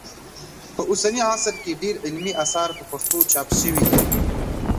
په اوسني عصر کې ډېر علمي اثار په پښتو چاپ سوي دي